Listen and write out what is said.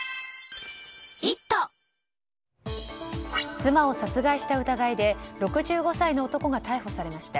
妻を殺害した疑いで６５歳の男が逮捕されました。